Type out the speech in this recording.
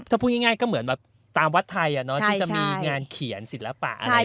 ถ้าพูดง่ายก็เหมือนแบบตามวัดไทยที่จะมีงานเขียนศิลปะอะไร